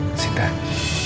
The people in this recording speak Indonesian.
kamu cantik sekali